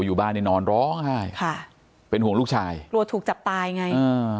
อยู่บ้านนี่นอนร้องไห้ค่ะเป็นห่วงลูกชายกลัวถูกจับตายไงอ่า